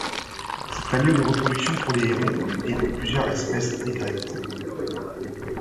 C'est un lieu de reproduction pour les hérons et pour plusieurs espèces d'aigrettes.